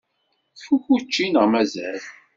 Tfukk učči neɣ mazal?